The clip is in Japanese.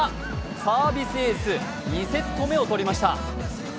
サービスエース、２セット目を取りました。